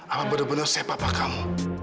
apa bener bener saya papa kamu